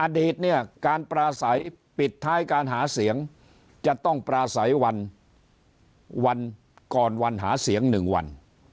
อดีตเนี่ยการปราศัยปิดท้ายการหาเสียงจะต้องปราศัยวันก่อนวันหาเสียง๑วัน